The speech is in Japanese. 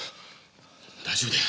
大丈夫だよ。